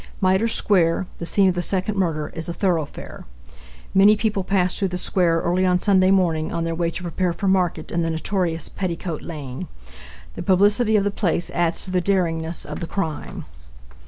Mitre square, the scene of the second murder, is a thoroughfare. Many people pass through the square early on Sunday morning on their way to prepare for market in the notorious Petticoat lane. The publicity of the place adds to the daringness of the crime.